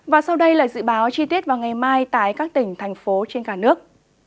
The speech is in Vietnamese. và sau đây là dự báo chi tiết vào ngày mai tại các tỉnh thành phố trên cả nước